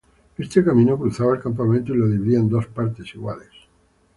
Este camino cruzaba el campamento y lo dividía en dos partes iguales.